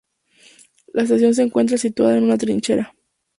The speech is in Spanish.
La estación se encuentra situada en una trinchera.